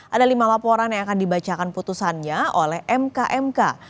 ada lima laporan yang akan dibacakan putusannya oleh mkmk